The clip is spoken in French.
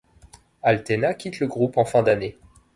Altena quitte le groupe en fin d'année.